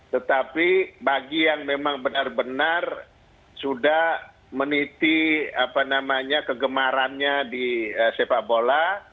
tetapi bagi yang memang benar benar sudah meniti kegemarannya di sepak bola